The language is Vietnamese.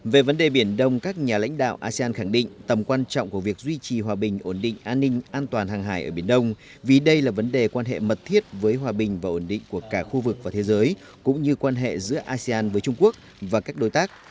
về vấn đề biển đông các nhà lãnh đạo asean khẳng định tầm quan trọng của việc duy trì hòa bình ổn định an ninh an toàn hàng hải ở biển đông vì đây là vấn đề quan hệ mật thiết với hòa bình và ổn định của cả khu vực và thế giới cũng như quan hệ giữa asean với trung quốc và các đối tác